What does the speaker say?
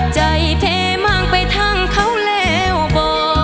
ใจเพมากไปทั้งเขาแล้วบ่